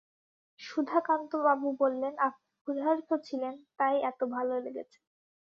সুধাকান্তবাবু বললেন, আপনি ক্ষুধার্ত ছিলেন, তাই এত ভালো লেগেছে।